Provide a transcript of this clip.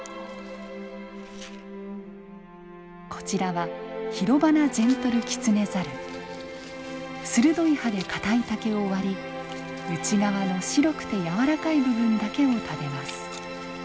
こちらは鋭い歯で硬い竹を割り内側の白くて軟らかい部分だけを食べます。